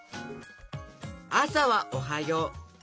あさは「おはよう」。